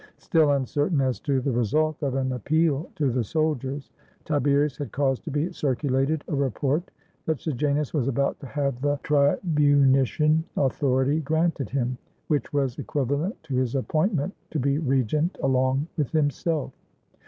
Still uncertain as to the result of an appeal to the soldiers, Tiberius had caused to be circulated a report that Sejanus was about to have the tribunician authority granted him, which was equiva lent to his appointment to be regent along with himself.